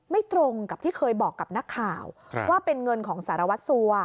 ตรงกับที่เคยบอกกับนักข่าวว่าเป็นเงินของสารวัตรสัว